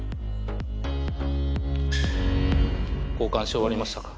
交換し終わりましたか？